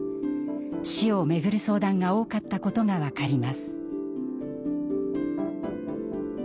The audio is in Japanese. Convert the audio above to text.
死を巡る相談が多かったことが分かります。